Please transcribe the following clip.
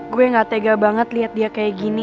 gue nggak tega banget liat dia kayak gini